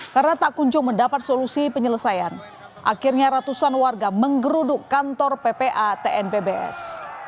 karena tak kunjung mendapat solusi penyelesaian akhirnya ratusan warga menggeruduk kantor ppa tnpbs